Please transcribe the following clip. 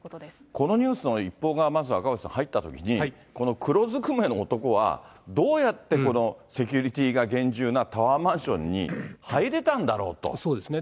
このニュースの一報がまず赤星さん、入ったときに、この黒ずくめの男は、どうやってこのセキュリティーが厳重なタワーマンシそうですね、